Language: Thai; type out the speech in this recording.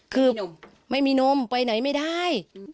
คือไม่มีนมไปไหนไม่ได้